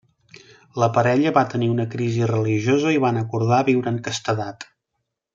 La parella va tenir una crisi religiosa i van acordar viure en castedat.